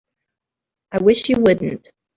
I wish you wouldn't.